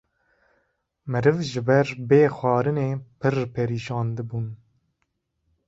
Meriv ji ber bê xwarinê pirr perîşan dibûn.